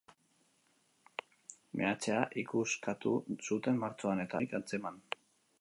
Meatzea ikuskatu zuten martxoan eta ez zuten irregulartasunik atzeman.